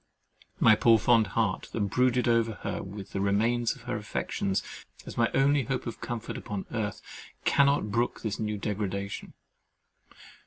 My poor fond heart, that brooded over her and the remains of her affections as my only hope of comfort upon earth, cannot brook this new degradation.